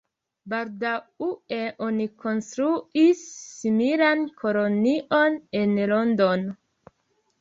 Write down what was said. Baldaŭe oni konstruis similan kolonion en Londono.